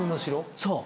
そう。